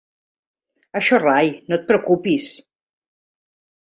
Això rai, no et preocupis.